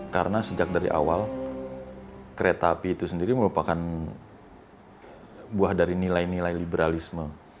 karena sejak dari awal kereta api itu sendiri merupakan buah dari nilai nilai liberalisme